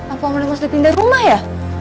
apa mereka masih pindah rumah ya